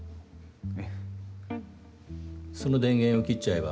えっ？